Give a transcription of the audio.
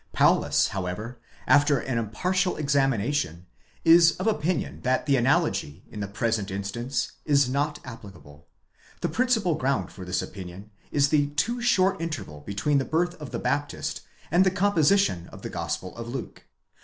Paulus, however, after an impartial examination, is of opinion that the analogy, in the present instance, is not applicable. The principal ground for this opinion is the too short interval between the birth of the Baptist, and the composition of the Gospel of Luke.!